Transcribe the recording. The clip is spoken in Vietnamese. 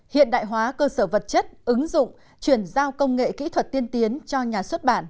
hiện đại hóa cơ sở vật chất ứng dụng chuyển giao công nghệ kỹ thuật tiên tiến cho nhà xuất bản